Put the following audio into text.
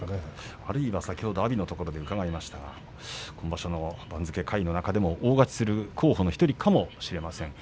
あるいは阿炎のところで伺いましたが今場所下位の中でも大勝ちする１人かもしれません。